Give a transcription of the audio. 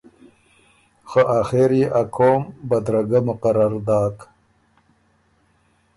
خه آخر يې ا قوم بدرګۀ مقرر داک